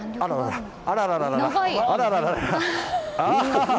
あららら！